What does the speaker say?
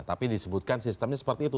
tapi disebutkan sistemnya seperti itu